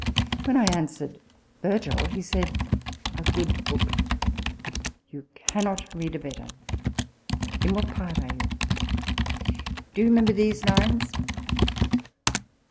When I answered, " Virgil," he said, " A good book ! you cannot read a better. In what" part are you ? Do you remem ber these lines